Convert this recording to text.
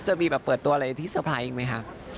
จะมีแบบเปิดตัวอะไรที่เตอร์ไพรส์อีกไหมคะ